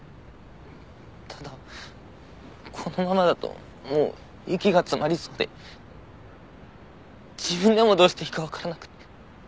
ただこのままだともう息が詰まりそうで自分でもどうしていいかわからなくて。